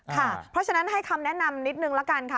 เพราะฉะนั้นให้คำแนะนำนิดนึงละกันค่ะ